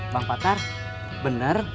bang patar bener